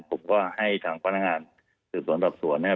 ผมก็ให้ทางพนักงานสืบสวนสอบสวนนะครับ